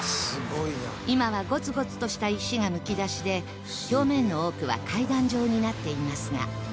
今はゴツゴツとした石がむき出しで表面の多くは階段状になっていますが